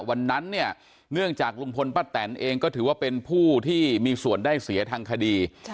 วันนั้นเนี่ยเนื่องจากลุงพลป้าแตนเองก็ถือว่าเป็นผู้ที่มีส่วนได้เสียทางคดี